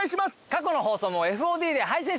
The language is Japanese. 過去の放送もＦＯＤで配信してます。